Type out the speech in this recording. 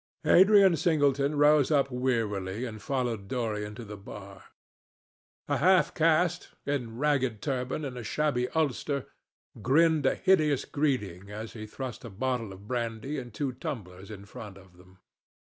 Adrian Singleton rose up wearily and followed Dorian to the bar. A half caste, in a ragged turban and a shabby ulster, grinned a hideous greeting as he thrust a bottle of brandy and two tumblers in front of them.